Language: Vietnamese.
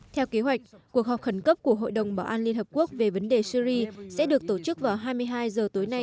theo kế hoạch cuộc họp khẩn cấp của hội đồng bảo an liên hợp quốc về vấn đề syri sẽ được tổ chức vào hai mươi hai h tối nay